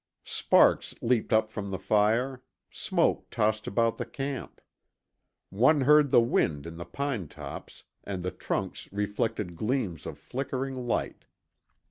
Sparks leaped up from the fire; smoke tossed about the camp. One heard the wind in the pine tops and the trunks reflected gleams of flickering light.